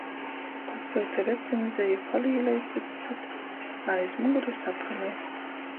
Pasyuta recenzeju, palīlej cyts cytu, a aiz mugorys aprunoj.